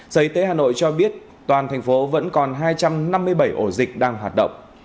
giới tế hà nội cho biết toàn thành phố vẫn còn hai trăm năm mươi bảy ổ dịch đang hoạt động